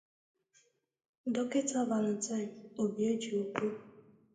Dọkịta Valentine Obiejekwu